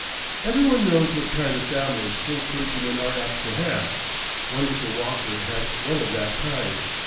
Every one knows what kind of families poor clergymen are apt to have. Wonderful Walker had one of that kind.